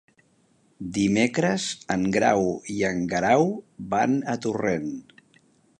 Dimecres en Grau i en Guerau van a Torrent.